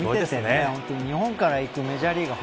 日本から行くメジャーリーガー